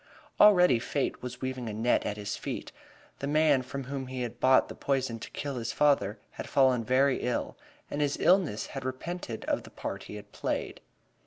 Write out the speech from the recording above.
Already fate was weaving a net about his feet. The man from whom he had bought the poison to kill his father had fallen very ill, and in his illness had repented of the part he had played.